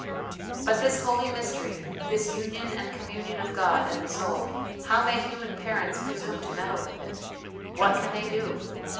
But this holy mystery, this union and communion of God and the soul, how may human parents presume to meddle with it? What can they do